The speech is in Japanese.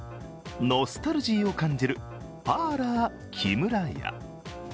ノスタルジーを感じるパーラーキムラヤ。